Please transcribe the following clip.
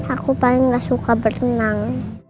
aku paling gak suka berenang